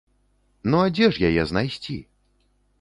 Ну, а дзе ж яе знайсці?